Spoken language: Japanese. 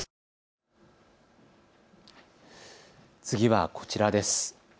次はこちらです。